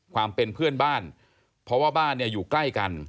ความเป็นเพื่อนบ้านเพราะว่าบ้านเนี่ยอยู่ใกล้กัน